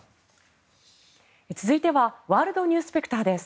続いてはワールドニュースペクターです。